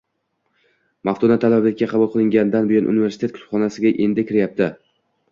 Maftuna talabalikka qabul qilinganidan buyon universitet kutubxonasiga endi kiryapti